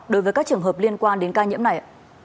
đối với các trường hợp liên quan đến ca nhiễm này ạ